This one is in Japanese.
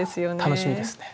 楽しみですね。